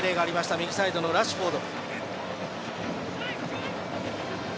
右サイドのラッシュフォード。